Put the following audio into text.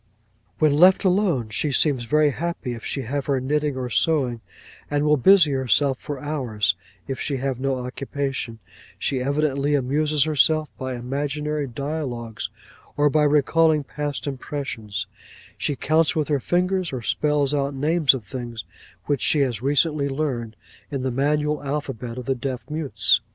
'"When left alone, she seems very happy if she have her knitting or sewing, and will busy herself for hours; if she have no occupation, she evidently amuses herself by imaginary dialogues, or by recalling past impressions; she counts with her fingers, or spells out names of things which she has recently learned, in the manual alphabet of the deaf mutes.